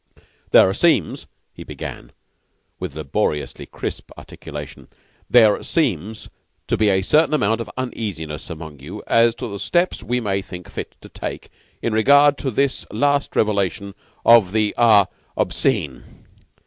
"There seems," he began, with laboriously crisp articulation, "there seems to be a certain amount of uneasiness among you as to the steps we may think fit to take in regard to this last revelation of the ah obscene.